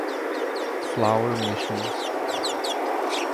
Flower Missions.